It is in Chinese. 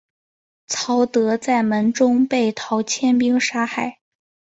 曹德在门中被陶谦兵杀害。